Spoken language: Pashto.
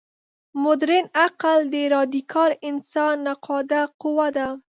مډرن عقل د راډیکال انسان نقاده قوه ده.